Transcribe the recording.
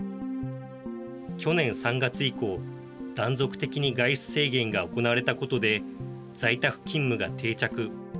去年３月以降断続的に外出制限が行われたことで在宅勤務が定着。